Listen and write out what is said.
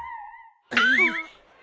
えっ。